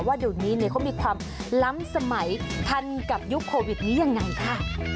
ว่าเดี๋ยวนี้เขามีความล้ำสมัยทันกับยุคโควิดนี้ยังไงค่ะ